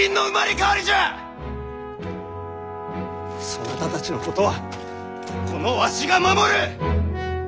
そなたたちのことはこのわしが守る！